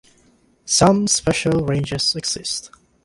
Some special ranges exist.